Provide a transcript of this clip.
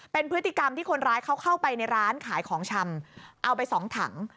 เป็นพฤติกรรมที่คนร้ายเขาเข้าไปในร้านขายของชำเอาไปสองถัง